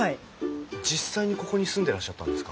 実際にここに住んでらっしゃったんですか？